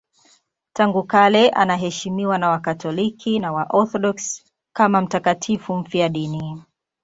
Tangu kale anaheshimiwa na Wakatoliki na Waorthodoksi kama mtakatifu mfiadini.